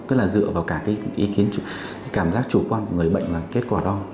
tức là dựa vào cả cái cảm giác chủ quan của người bệnh là kết quả đo